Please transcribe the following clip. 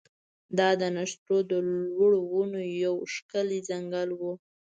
دا د نښترو د لوړو ونو یو ښکلی ځنګل و